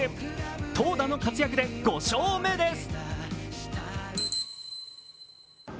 投打の活躍で５勝目です。